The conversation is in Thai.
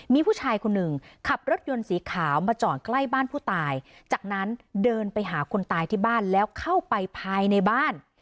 มีผู้ชายคนหนึ่งขับรถยนต์สีขาวมาจอดใกล้บ้านผู้ตายจากนั้นเดินไปหาคนตายที่บ้านแล้วเข้าไปภายในบ้าน